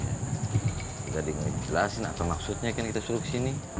kita di ngejelasin apa maksudnya kan kita suruh kesini